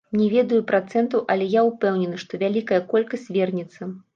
Не ведаю працэнтаў, але я ўпэўнены, што вялікая колькасць вернецца.